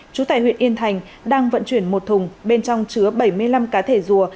trú tại huyện yên thành đang vận chuyển một thùng bên trong chứa bảy mươi năm cá thể rùa